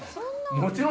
もちろん？